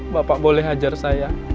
bapak boleh hajar saya